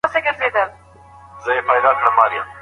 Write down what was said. پاکه هوا چيري موندل کیږي؟